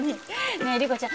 ねえリコちゃん。